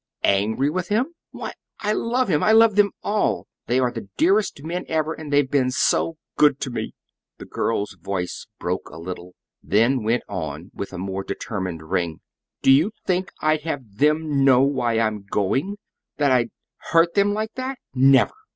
"Angry with him! Why, I love him I love them all! They are the dearest men ever, and they've been so good to me!" The girl's voice broke a little, then went on with a more determined ring. "Do you think I'd have them know why I'm going? that I'd hurt them like that? Never!"